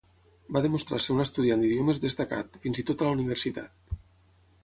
Va demostrar ser un estudiant d'idiomes destacat, fins i tot a la universitat.